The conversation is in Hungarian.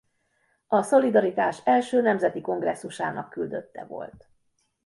A Szolidaritás első nemzeti kongresszusának küldötte volt.